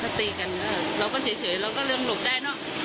ถ้าตีกันเราก็เดี๋ยวเฉยเราก็แล้วหลอกได้